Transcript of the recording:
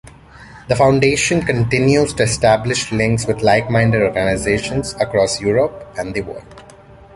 The Foundation continues to establish links with like-minded organisations across Europe and the world.